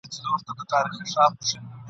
سړي وویله ورک یمه حیران یم ..